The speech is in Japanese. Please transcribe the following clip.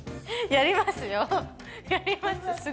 やります。